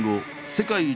世界一